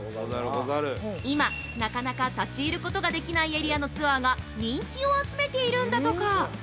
今、なかなか立ち入ることができないエリアのツアーが人気を集めているんだとか！